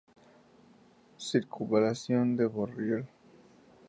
Circunvalación de Borriol.